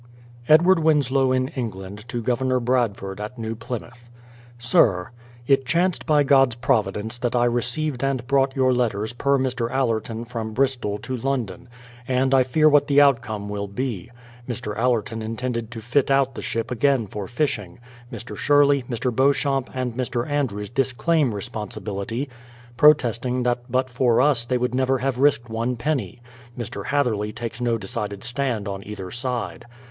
Edward Winslow in England to Governor Bradford at New Plymouth: Sir, It chanced by God's providence that I received and brought your letters per Mr. Allerton from Bristol to London; and I fear what the outcome will be. Mr. Allerton intended to fit out the ship again for fishing. Mr. Sherley, Mr. Beauchamp, and Mr. Andrews disclaim responsibility, protesting that but for us they would never have risked one penny; Mr. Hatherley takes no decided stand on either side.